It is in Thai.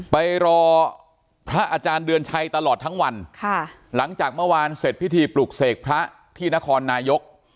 ไปรอพระอาจารย์เดือนชัยตลอดทั้งวันค่ะหลังจากเมื่อวานเสร็จพิธีปลุกเสกพระที่นครนายก